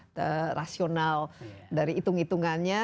dari rasional dari hitung hitungannya